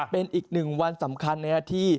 เป็นอีกหนึ่งวันสำคัญนะครับที่